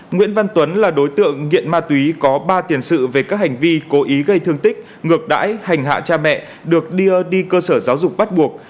nguyễn văn tuấn là đối tượng nghiện ma túy có ba tiền sự về các hành vi cố ý gây thương tích ngược đãi hành hạ cha mẹ được đưa đi cơ sở giáo dục bắt buộc